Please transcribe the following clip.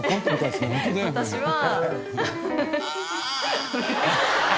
私は。